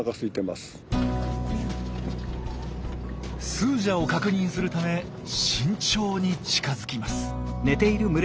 スージャを確認するため慎重に近づきます。